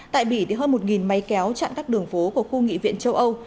tại bỉ thì hơn một máy kéo chặn các đường phố của khu nghị viện châu âu